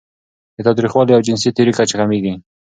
د تاوتریخوالي او جنسي تیري کچه کمېږي.